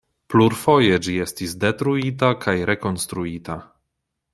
Plurfoje ĝi estis detruita kaj rekonstruita.